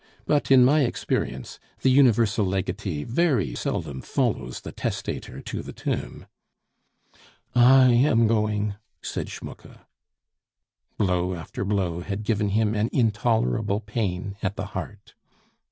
But, in my experience, the universal legatee very seldom follows the testator to the tomb." "I am going," said Schmucke. Blow after blow had given him an intolerable pain at the heart.